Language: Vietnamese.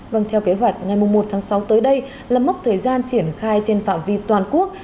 vâng theo kế hoạch ngày một tháng sáu tới đây là mốc thời gian triển khai trên phạm vi toàn quốc